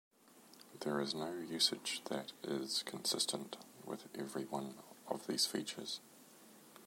There is no usage that is consistent with every one of these features.